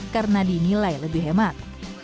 karena dinilai lebih hemat